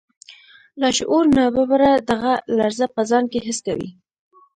لاشعور ناببره دغه لړزه په ځان کې حس کوي